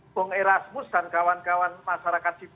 bang erasmus dan kawan kawan masyarakat